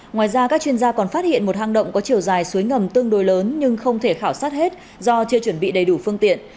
ngoài ra các chuyên gia còn phát hiện một hang động có chiều dài suối ngầm tương đối lớn nhưng không thể khảo sát hết do chưa chuẩn bị đầy đủ phương tiện